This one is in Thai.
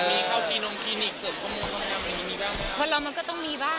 มีเข้าที่นมคลินิกส่วนข้อมูลข้อมูลข้อมูลมันมีบ้างไหม